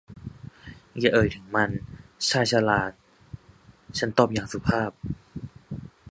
อย่าเอ่ยถึงมัน ชายชรา ฉันตอบอย่างสุภาพ